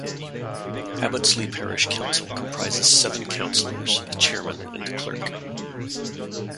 Abbotsley parish council comprises seven councillors, a chairman and clerk.